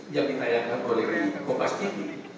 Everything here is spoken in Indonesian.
yang ditayangkan oleh kompas tv